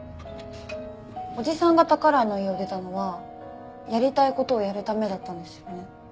おじさんが宝居の家を出たのはやりたい事をやるためだったんですよね？